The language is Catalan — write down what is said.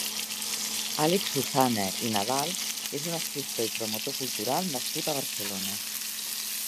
Àlex Susanna i Nadal és un escriptor i promotor cultural nascut a Barcelona.